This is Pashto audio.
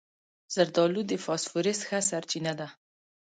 زردالو د فاسفورس ښه سرچینه ده.